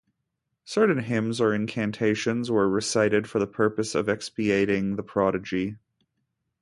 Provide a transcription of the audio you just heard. Certain hymns or incantations were recited for the purpose of expiating the prodigy.